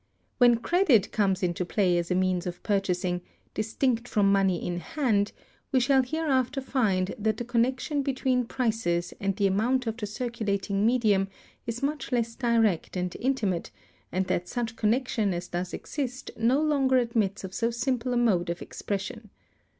When credit comes into play as a means of purchasing, distinct from money in hand, we shall hereafter find that the connection between prices and the amount of the circulating medium is much less direct and intimate, and that such connection as does exist no longer admits of so simple a mode of expression.